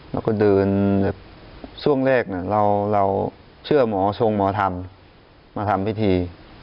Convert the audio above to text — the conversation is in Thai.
เราก็เดินแบบช่วงแรกเราเชื่อหมอทรงหมอธรรมมาทำพิธี